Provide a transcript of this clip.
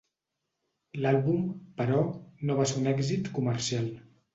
L'àlbum, però, no va ser un èxit comercial.